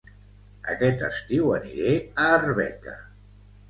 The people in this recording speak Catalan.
Aquest estiu aniré a Arbeca